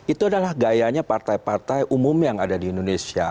itu adalah gayanya partai partai umum yang ada di indonesia